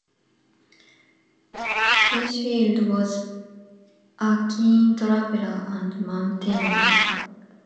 Freshfield was a keen traveller and mountaineer.